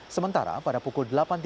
sementara pada pukul delapan tiga puluh